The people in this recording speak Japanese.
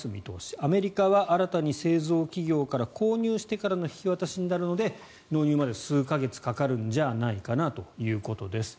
アメリカは新たに製造企業から購入してからの引き渡しになるので納入まで数か月かかるんじゃないかなということです。